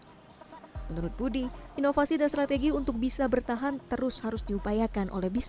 dan pemuda ber spokesperson jadi ago perhatian laneook sisternya ini terbakar memang lebih